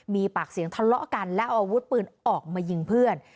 มีปากเสียงทะเลาะกันแล้วเอาอาวุธปืนออกมายิงเพื่อน